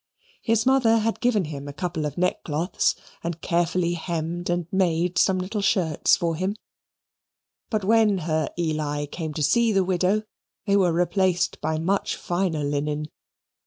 His mother had given him a couple of neckcloths, and carefully hemmed and made some little shirts for him; but when her Eli came to see the widow, they were replaced by much finer linen.